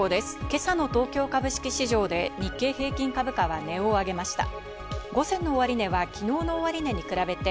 今朝の東京株式市場で日経平均株価は値を上げました。